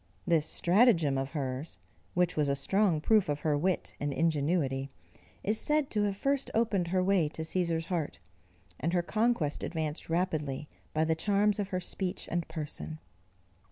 This stratagem of hers, which was a strong proof of her wit and ingenuity, is said to have first opened her way to Cæsar's heart, and her conquest advanced rapidly by the charms of her speech and person.